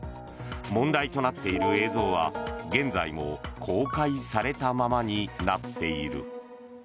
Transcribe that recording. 問題となっている映像は現在も公開されたままになっている。